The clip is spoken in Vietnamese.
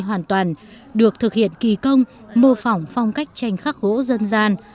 hoàn toàn được thực hiện kỳ công mô phỏng phong cách tranh khắc gỗ dân gian